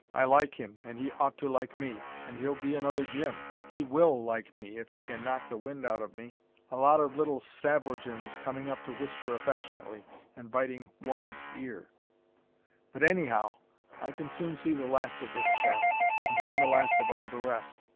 I like him, and he ought to like me. And he'll be another Jim: he WILL like me, if he can knock the wind out of me. A lot of little Stavrogins coming up to whisper affectionately, and biting one's ear. "But anyhow I can soon see the last of this chap: and him the last of all the rest.